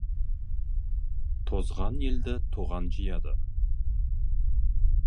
Тозған елді тоған жияды.